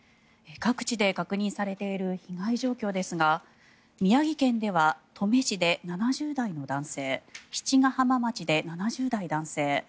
各地で確認されている被害状況ですが宮城県では登米市で７０代の男性七ヶ浜町で７０代男性